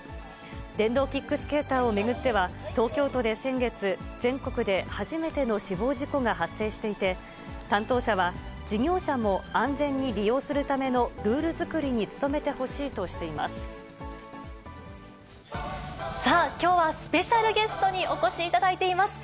電動キックスケーターを巡っては、東京都で先月、全国で初めての死亡事故が発生していて、担当者は、事業者も安全に利用するためのルール作りに努めてほしいとしていさあ、きょうはスペシャルゲストにお越しいただいています。